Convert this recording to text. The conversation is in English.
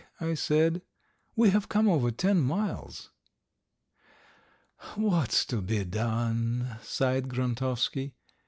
I said. "We have come over ten miles!" "What's to be done?" sighed Grontovsky.